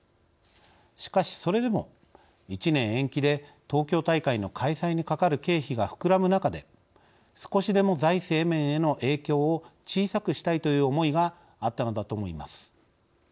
しかしそれでも１年延期で東京大会の開催にかかる経費が膨らむ中で少しでも財政面への影響を小さくしたいという思いがあったのだと思います。